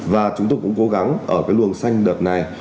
và chúng tôi cũng cố gắng ở cái luồng xanh đợt này